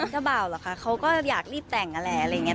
ก็เบาหรอกค่ะเขาก็อยากรีบแต่งอะไรอย่างนี้